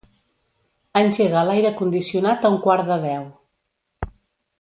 Engega l'aire condicionat a un quart de deu.